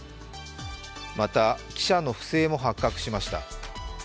また記者の不正も発覚しました。